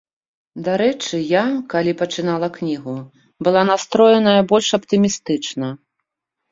Дарэчы, я, калі пачынала кнігу, была настроеная больш аптымістычна.